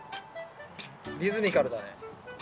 リズミカルだね。